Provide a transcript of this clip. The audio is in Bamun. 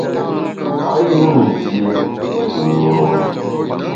Payù nsié pùbe.